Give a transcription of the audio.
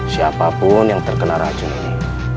siapapun yang terkena racun ini